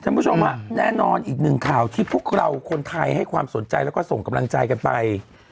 คุณผู้ชมฮะแน่นอนอีกหนึ่งข่าวที่พวกเราคนไทยให้ความสนใจแล้วก็ส่งกำลังใจกันไป